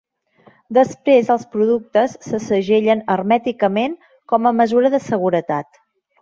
Després, els productes se segellen hermèticament com a mesura de seguretat.